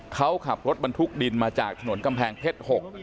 เขาขับรถบรรทุกดินมาจากถนนกำแพงเพชร๖